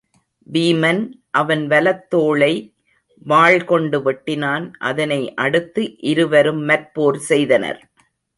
வீமன் அவன் வலத் தோளை வாள் கொண்டு வெட்டினான் அதனை அடுத்து இருவரும் மற்போர் செய்தனர்.